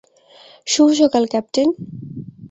শুভ সকাল ক্যাপ্টেন।